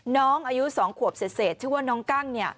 น้องอายุ๒ขวบเศษชื่อว่าน้องกั้ง